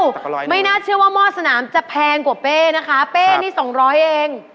นิดเดียวไม่น่าเชื่อว่ามอดสนามจะแพงกว่าเป๊นะคะเป๊นี่๒๐๐เอง